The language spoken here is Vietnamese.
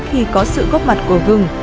khi có sự góp mặt của gừng